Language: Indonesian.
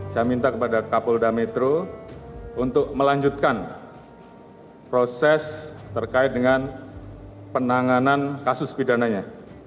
saya minta kepada kapolda metro untuk melanjutkan proses terkait dengan penanganan kasus pidananya